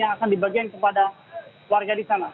yang akan dibagikan kepada warga di sana